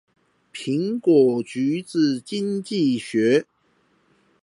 蘋果橘子經濟學